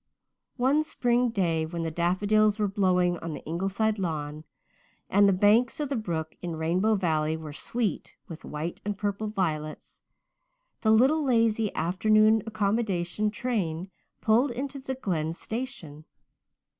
One spring day, when the daffodils were blowing on the Ingleside lawn, and the banks of the brook in Rainbow Valley were sweet with white and purple violets, the little, lazy afternoon accommodation train pulled into the Glen station.